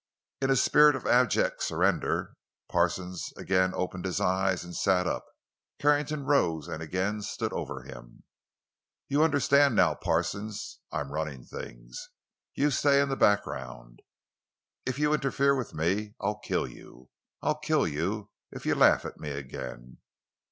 In a spirit of abject surrender Parsons again opened his eyes and sat up. Carrington rose and again stood over him. "You understand now, Parsons, I'm running things. You stay in the background. If you interfere with me I'll kill you. I'll kill you if you laugh at me again.